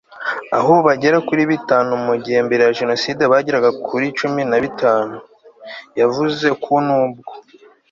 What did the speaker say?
aho ubu bagera kuri bitanumu gihe mbere ya jenoside bageraga kuri cumi na bitanu. yavuze ko n'ubwo